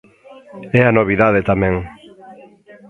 É a novidade tamén.